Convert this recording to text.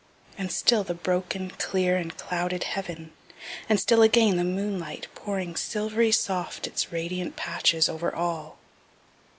And still the broken, clear and clouded heaven and still again the moonlight pouring silvery soft its radiant patches over all.